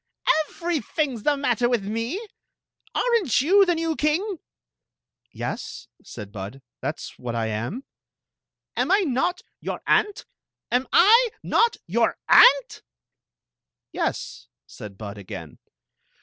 Everything s the matter with me. Are n't you the new king?" "Yes," said Bud "That s what I am." "Am I not your aunt? Am I not your aunt?" " Yes," said Bud again.